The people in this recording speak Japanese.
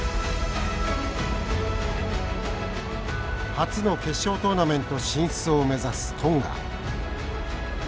初の決勝トーナメント進出を目指すトンガ。